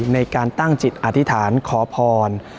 ในการตั้งจิตอธิษฐานขอพร